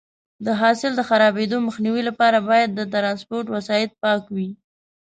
د حاصل د خرابېدو مخنیوي لپاره باید د ټرانسپورټ وسایط پاک وي.